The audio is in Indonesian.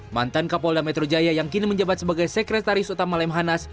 mantan kapolda metro jaya yang kini menjabat sebagai sekretaris utama lemhanas